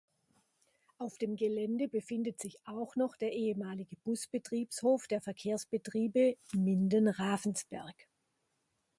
Auf dem Gelände befindet sich auch noch der ehemalige Bus-Betriebshof der Verkehrsbetriebe Minden-Ravensberg.